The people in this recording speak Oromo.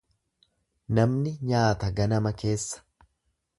Namni nyaata ganama keessa.